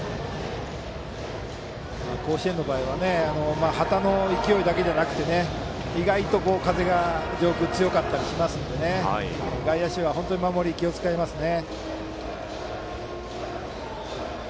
甲子園の場合は旗の勢いだけではなくて意外と風が上空強かったりしますので外野手は本当に守りに気を使いますね。